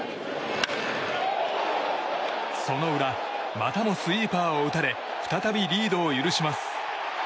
その裏またもスイーパーを打たれ再びリードを許します。